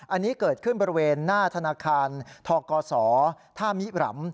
อันนี้เกิดขึ้นบริเวณหน้าธนาคารทกศท่ามิรำ